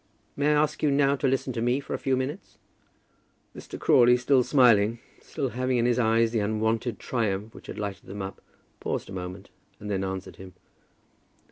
"May I ask you now to listen to me for a few minutes?" Mr. Crawley, still smiling, still having in his eyes the unwonted triumph which had lighted them up, paused a moment, and then answered him.